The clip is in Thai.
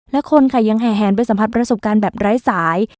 และคนค่ะยังแห่แหนไปสัมผัสประสบการณ์แบบไร้สาย